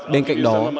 bên cạnh đó